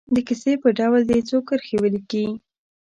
د کیسې په ډول دې څو کرښې ولیکي.